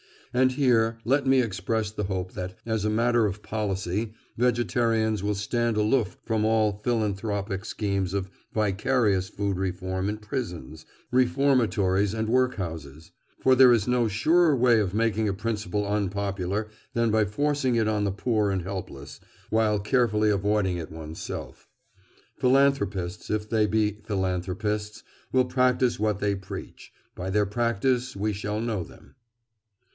And here let me express the hope that, as a matter of policy, vegetarians will stand aloof from all "philanthropic" schemes of vicarious food reform in prisons, reformatories, and workhouses; for there is no surer way of making a principle unpopular than by forcing it on the poor and helpless, while carefully avoiding it one's self. Philanthropists, if they be philanthropists, will practise what they preach; by their practice we shall know them.